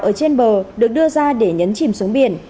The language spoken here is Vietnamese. ở trên bờ được đưa ra để nhấn chìm xuống biển